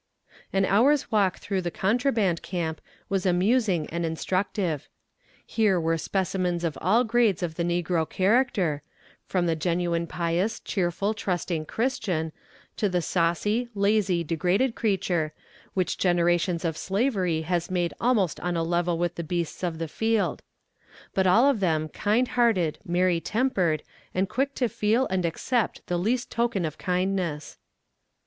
An hour's walk through the contraband camp was amusing and instructive. Here were specimens of all grades of the negro character, from the genuine pious, cheerful trusting christian, to the saucy, lazy, degraded creature, which generations of slavery has made almost on a level with the beasts of the field. But all of them kind hearted, merry tempered, and quick to feel and accept the least token of kindness.